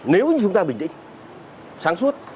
nếu như chúng ta bình tĩnh sáng suốt